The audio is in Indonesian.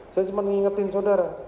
saya cuma mengingatkan saudara